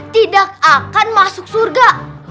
tidak akan masuk surga